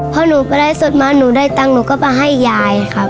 พอหนูไปได้สดมาหนูได้ตังค์หนูก็ไปให้ยายครับ